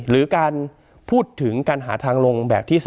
หรือการพูดถึงการหาทางลงแบบที่๓